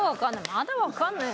まだわかんない。